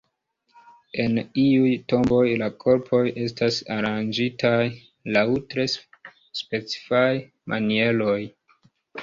En iuj tomboj la korpoj estas aranĝitaj laŭ tre specifaj manieroj.